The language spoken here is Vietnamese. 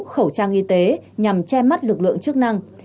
khẩu trang y tế nhằm che mắt lực lượng chức năng